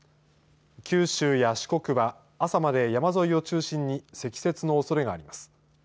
九州や四国は朝まで山沿いを中心に積雪のおそれがあります。